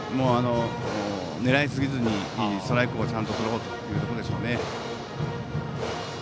狙いすぎずにストライクをちゃんととろうということでしょうね。